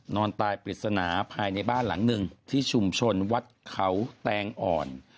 นอนตายปริศนาภายในบ้านหลังหนึ่งที่ชุมชนวัดเขาแตงอ่อน